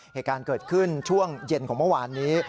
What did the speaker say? เหตุการณ์เกิดขึ้นช่วงเย็นของเมื่อวานนี้